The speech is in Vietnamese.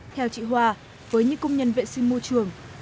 theo chị hoa với những công nhân vệ sinh môi trường